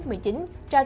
cho trẻ em